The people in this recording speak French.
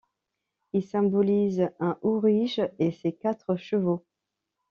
Il symbolise un aurige et ses quatre chevaux.